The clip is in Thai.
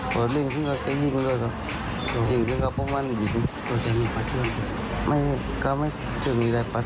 ก็เร่งถึงก็จะยิงเลยเห็นครับว่ามันไม่ก็ไม่จะมีอะไรปัด